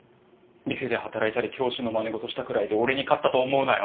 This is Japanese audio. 店で働いたり教師のまねごとしたくらいで俺に勝ったと思うなよ。